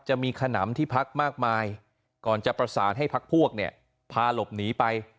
จะมีขนำที่พักมากมายก่อนจะประสานให้พักพวกเนี่ยพาหลบหนีไป